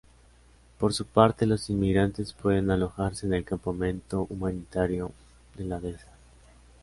Por su parte, los inmigrantes pueden alojarse en el Campamento Humanitario de La Dehesa.